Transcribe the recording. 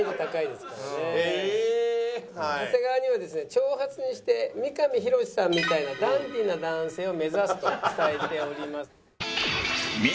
長髪にして三上博史さんみたいなダンディーな男性を目指すと伝えております。